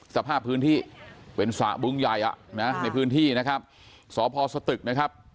สภาพพื้นที่เป็นสระบึงใหญ่อ่ะนะในพื้นที่นะครับสพสตึกนะครับ